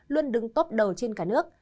luôn đứng tốt đầu trên cả nước